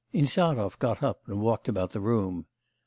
Insarov got up and walked about the room.